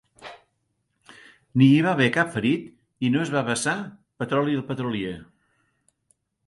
Ni hi va haver cap ferit i no es va vessar petroli del petrolier.